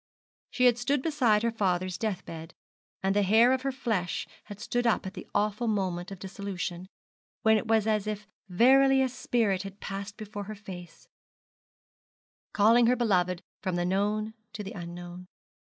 She had stood beside her father's death bed, and the hair of her flesh had stood up at the awful moment of dissolution, when it was as if verily a spirit had passed before her face, calling her beloved from the known to the unknown.